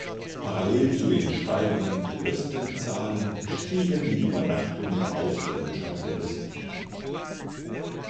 Parallel zu den steigenden Touristenzahlen stiegen die Übernachtungen ausländischer Touristen an.